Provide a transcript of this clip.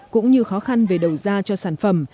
cũng như khó khăn về đầu ra cho sản phẩm